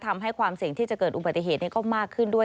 ความเสี่ยงที่จะเกิดอุบัติเหตุก็มากขึ้นด้วย